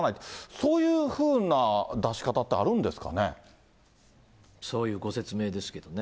そういうふうな出し方ってあるんそういうご説明ですけどね。